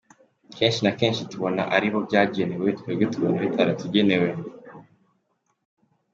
Kenshi na kenshi tubona ari bo byagenewe, twebwe tubona bitaratugenewe.